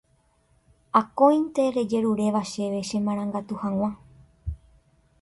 akóinte rejeruréva chéve chemarangatu hag̃ua